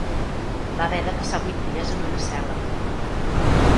Va haver de passar vuit dies en una cel·la